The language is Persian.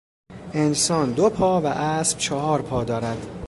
انسان دو پا و اسب چهار پا دارد.